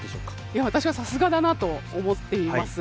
いや私はさすがだなと思っています。